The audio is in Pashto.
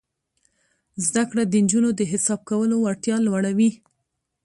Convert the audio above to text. زده کړه د نجونو د حساب کولو وړتیا لوړوي.